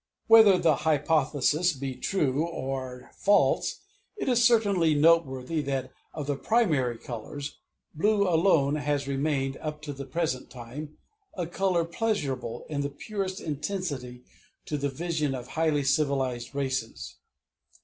Whether the hypothesis be true or false, it is certainly noteworthy that, of the primary colors, blue alone has remained, up to the present time, a color pleasurable in its purest intensity to the vision of highly civilized races.